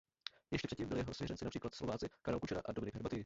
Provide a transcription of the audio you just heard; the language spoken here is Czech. Ještě předtím byli jeho svěřenci například Slováci Karol Kučera a Dominik Hrbatý.